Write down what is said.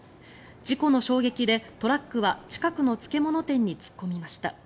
事故の衝撃でトラックは近くの漬物店に突っ込みました。